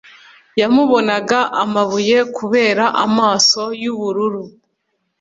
Yamubonaga amabuye kubera amaso yubururu